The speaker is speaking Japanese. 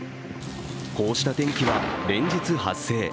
こうした天気は連日発生。